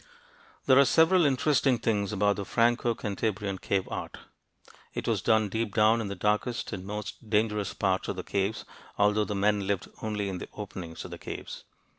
There are several interesting things about the "Franco Cantabrian" cave art. It was done deep down in the darkest and most dangerous parts of the caves, although the men lived only in the openings of caves.